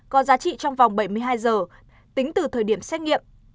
có giá trị trong vòng bảy mươi hai giờ tính từ thời điểm xét nghiệm